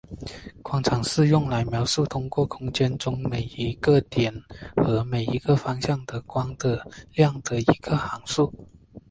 光场是用来描述通过空间中每一个点和每一个方向的光的量的一个函数。